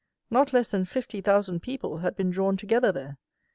Not less than fifty thousand people had been drawn together there!